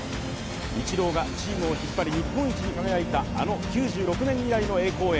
イチローがチームを引っ張り日本一に輝いたあの９６年以来の栄光へ。